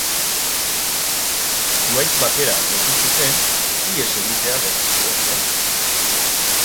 Zuhaitz batera lotu zuten, ihes egitea lortu zuen arren.